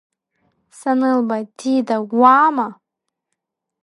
Санылба, Дида, уаама!